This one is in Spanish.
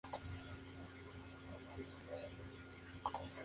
Es un camino muy lindo, aunque con muchas curvas y cuestas.